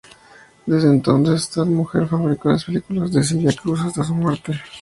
Desde ese entonces, tal mujer fabricó las pelucas de Celia Cruz hasta su muerte.